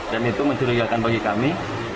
dan itu mencurigakan bagi kami